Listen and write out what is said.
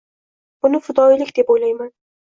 Buni fidoyilik deb o‘ylayman.